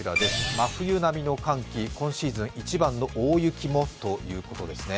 真冬並みの寒気、今シーズン一番の大雪もということですね。